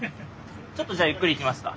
ちょっとじゃあゆっくり行きますか。